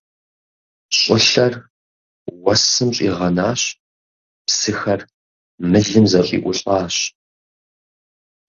ЩӀылъэр уэсым щӀигъэнащ, псыхэр мылым зэщӀиӀулӀащ.